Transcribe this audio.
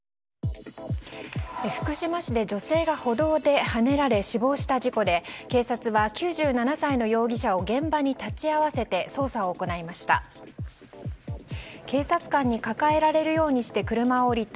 福島市で女性が歩道ではねられ死亡した事故で警察は９７歳の容疑者を現場に立ち会わせて捜査を行いました。